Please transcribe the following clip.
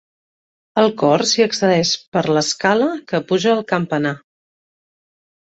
Al cor s'hi accedeix per l'escala que puja al campanar.